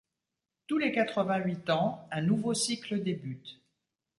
Tous les quatre-vingt-huit ans, un nouveau cycle débute.